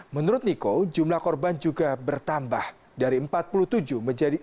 menurut niko jumlah korban juga bertambah dari empat puluh tujuh menjadi enam puluh